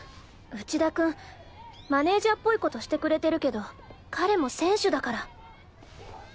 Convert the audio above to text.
内田君マネージャーっぽいことしてくれてるけど彼も選手だから。